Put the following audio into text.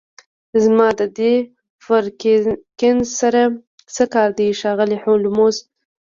زما د دې پرکینز سره څه کار دی ښاغلی هولمز